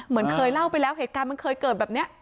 เหมือนเคยเล่าไปแล้วเหตุการณ์มันเคยเกิดแบบนี้